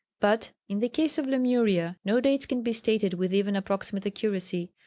But in the case of Lemuria no dates can be stated with even approximate accuracy.